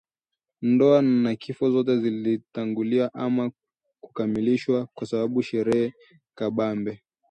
ndoa na kifo zote zilitangulizwa ama kukamilishwa na kwa sherehe kabambe